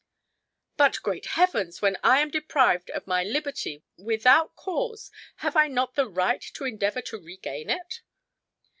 "But, great heavens! when I am deprived of my liberty without cause, have I not the right to endeavor to regain it?"